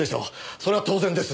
それは当然です。